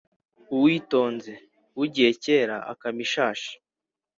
Uwitonze (ugiye kera) akama ishashi.